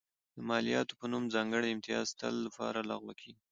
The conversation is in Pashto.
د مالیاتو په نوم ځانګړي امتیازات تل لپاره لغوه کېږي.